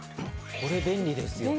これ便利ですよね。